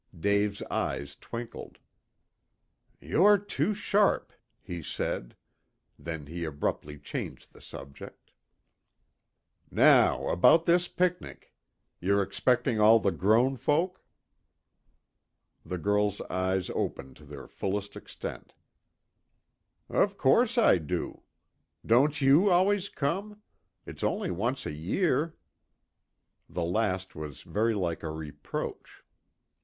Dave's eyes twinkled. "You're too sharp," he said. Then he abruptly changed the subject. "Now about this picnic. You're expecting all the grown folk?" The girl's eyes opened to their fullest extent. "Of course I do. Don't you always come? It's only once a year." The last was very like a reproach.